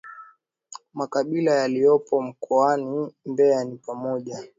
Makabila yaliyopo mkoani mbeya ni pamoja